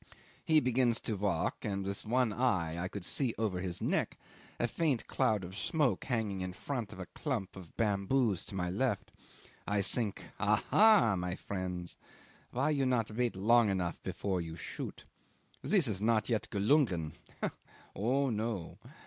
He begins to walk, and with one eye I could see over his neck a faint cloud of smoke hanging in front of a clump of bamboos to my left. I think Aha! my friends, why you not wait long enough before you shoot? This is not yet gelungen. Oh no!